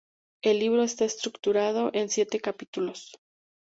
El libro está estructurado en siete capítulos.